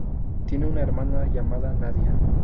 Tiene una hermana llamada Nadia.